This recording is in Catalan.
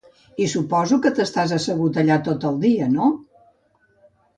I suposo que t"estàs assegut allà tot el dia, no?